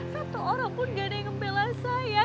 satu orang pun gak ada yang ngebela saya